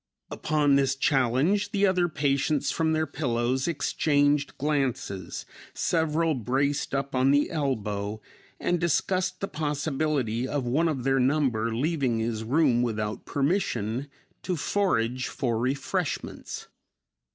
Upon this challenge, the other patients from their pillows exchanged glances, several braced up on the elbow and discussed the possibility of one of their number leaving his room without permission to forage for refreshments.